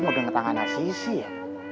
mengenang tangan sisi ya